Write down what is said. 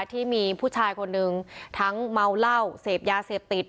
ที่มีผู้ชายคนนึงทั้งเมาเหล้าเสพยาเสพติด